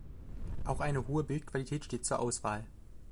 Auch eine hohe Bildqualität steht zur Auswahl.